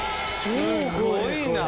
すごいな。